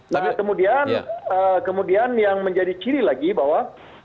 nah kemudian yang menjadi ciri lagi bahwa